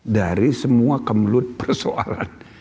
dari semua kemelut persoalan